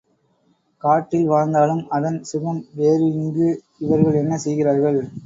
காட்டில் வாழ்ந்தாலும் அதன் சுகம் வேறு இங்கு இவர்கள் என்ன செய்கிறார்கள்?